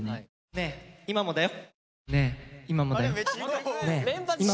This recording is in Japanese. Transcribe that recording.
ねえ、今もだよ。